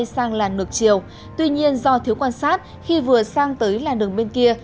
sang làn ngược chiều tuy nhiên do thiếu quan sát khi vừa sang tới làn đường bên kia